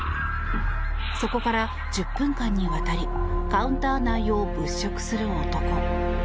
そこから１０分間にわたりカウンター内を物色する男。